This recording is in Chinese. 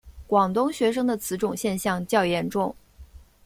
广东学生的此种现象较严重。